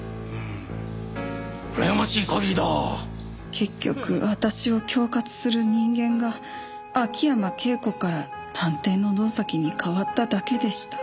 結局私を恐喝する人間が秋山圭子から探偵の野崎に変わっただけでした。